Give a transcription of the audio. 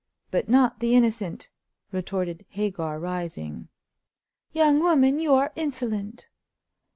"But not the innocent," retorted Hagar, rising. "Young woman, you are insolent!"